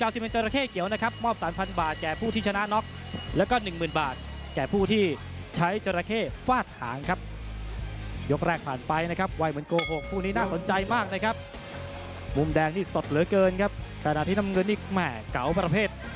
ส่วนขวาวันนี้ยังไม่แจกเลยนะ